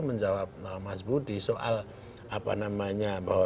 menjawab mas budi soal apa namanya bahwa